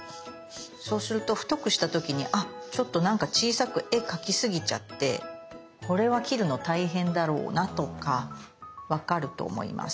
そうすると太くした時にあちょっと何か小さく絵描きすぎちゃってこれは切るの大変だろうなとか分かると思います。